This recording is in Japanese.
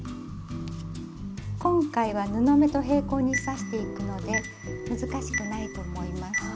今回は布目と平行に刺していくので難しくないと思います。